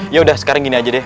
yaudah sekarang gini aja deh